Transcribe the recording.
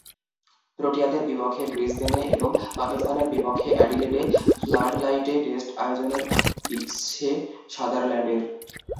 প্রোটিয়াদের বিপক্ষে ব্রিসবেনে এবং পাকিস্তানের বিপক্ষে অ্যাডিলেডে ফ্লাডলাইটে টেস্ট আয়োজনের ইচ্ছে সাদারল্যান্ডের।